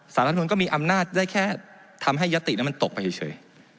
รัฐมนุนก็มีอำนาจได้แค่ทำให้ยัตตินั้นมันตกไปเฉย